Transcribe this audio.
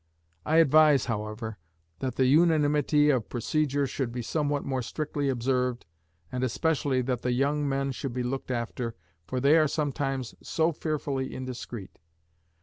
I advise, however, that the unanimity of procedure should be somewhat more strictly observed, and especially that the young men should be looked after, for they are sometimes so fearfully indiscreet.